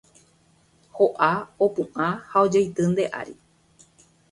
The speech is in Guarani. Ho'a, opu'ã ha ojeity nde ári